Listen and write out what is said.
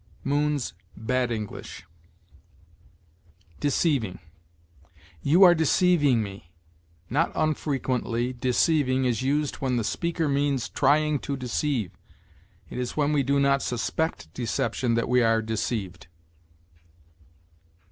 Moon's "Bad English." DECEIVING. "You are deceiving me." Not unfrequently deceiving is used when the speaker means trying to deceive. It is when we do not suspect deception that we are deceived.